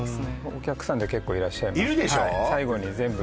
お客さんで結構いらっしゃいますいるでしょう？